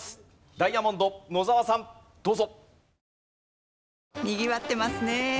ダイヤモンド野澤さんどうぞ。